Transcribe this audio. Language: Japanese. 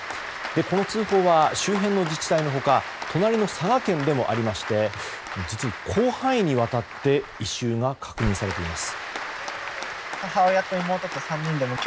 この通報は周辺の自治体の他隣の佐賀県でもありまして実に広範囲にわたって異臭が確認されています。